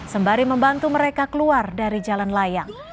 sembari membantu mereka keluar dari jalan layang